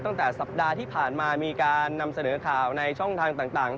ตั้งแต่สัปดาห์ที่ผ่านมามีการนำเสนอข่าวในช่องทางต่าง